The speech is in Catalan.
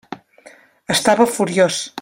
Estava furiós.